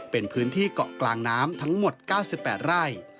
เป็นพื้นที่เกาะกลางน้ำทั้งหมด๙๘ไร่